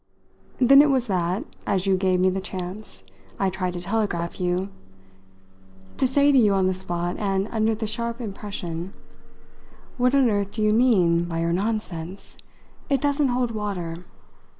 Then it was that, as you gave me the chance, I tried to telegraph you to say to you on the spot and under the sharp impression: 'What on earth do you mean by your nonsense? It doesn't hold water!'